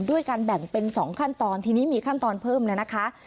การแบ่งเป็น๒ขั้นตอนทีนี้มีขั้นตอนเพิ่มเลยนะคะ